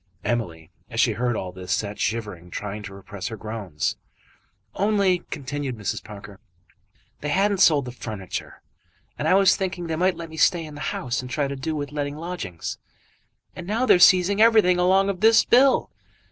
Emily as she heard all this sat shivering, trying to repress her groans. "Only," continued Mrs. Parker, "they hadn't sold the furniture, and I was thinking they might let me stay in the house, and try to do with letting lodgings, and now they're seizing everything along of this bill.